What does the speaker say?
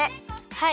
はい。